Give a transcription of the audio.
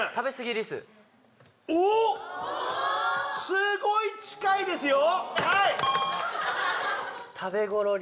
すごい近いですよ。